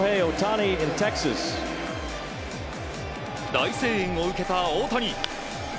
大声援を受けた大谷。